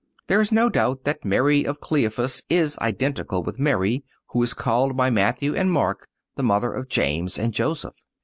(232) There is no doubt that Mary of Cleophas is identical with Mary, who is called by Matthew and Mark the mother of James and Joseph.